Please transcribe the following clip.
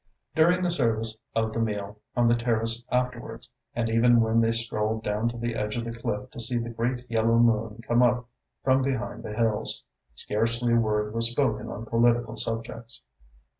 During the service of the meal, on the terrace afterwards, and even when they strolled down to the edge of the cliff to see the great yellow moon come up from behind the hills, scarcely a word was spoken on political subjects.